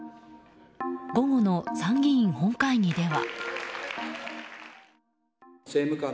午後の参議院本会議では。